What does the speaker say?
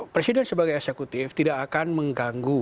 presiden sebagai eksekutif tidak akan mengganggu